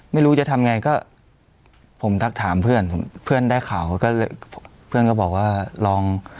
ไม่รู้จะทำไงก็ผมทักถามเพื่อนผมเพื่อนได้ข่าวก็เลยเพื่อนก็บอกว่าลอง